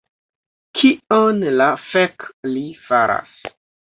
Kion la fek li faras?